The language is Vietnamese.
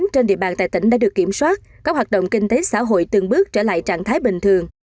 trên địa bàn tại tỉnh đã được kiểm soát các hoạt động kinh tế xã hội từng bước trở lại trạng thái bình thường